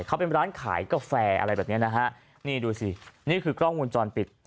เขาเป็นร้านขายกาแฟอะไรแบบเนี้ยนะฮะนี่ดูสินี่คือกล้องวงจรปิด